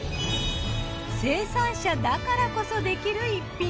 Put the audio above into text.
生産者だからこそできる逸品。